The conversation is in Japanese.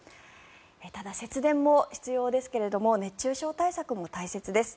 ただ、節電も必要ですが熱中症対策も大切です。